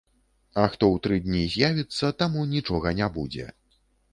А хто ў тры дні з'явіцца, таму нічога не будзе.